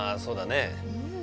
そうだね。